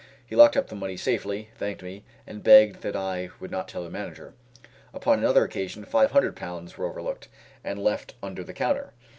He locked up the money safely, thanked me, and begged that I would not tell the manager. Upon another occasion five hundred pounds were overlooked, and left under the counter.